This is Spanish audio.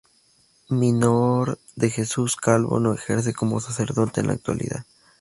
Minor de Jesús Calvo no ejerce como sacerdote en la actualidad.